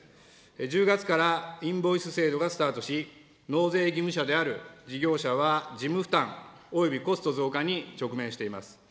１０月からインボイス制度がスタートし、納税義務者である事業者は事務負担およびコスト増加に直面しています。